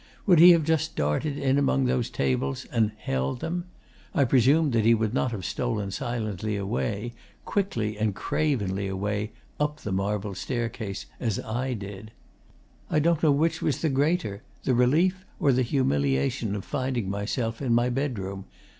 Would he have just darted in among those tables and "held" them? I presumed that he would not have stolen silently away, quickly and cravenly away, up the marble staircase as I did. 'I don't know which was the greater, the relief or the humiliation of finding myself in my bedroom.